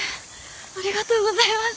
ありがとうございます。